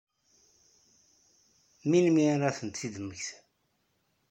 Melmi ara ad tent-id-temmektiḍ?